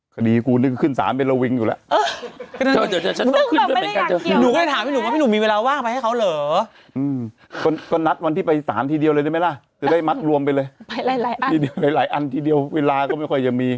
คดีนี้กูนึกขึ้นสารไปแล้ววิ้งอยู่แล้ว